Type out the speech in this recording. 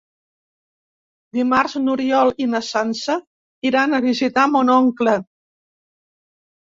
Dimarts n'Oriol i na Sança iran a visitar mon oncle.